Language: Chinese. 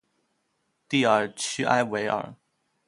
蒂尔屈埃维尔。